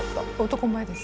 男前です。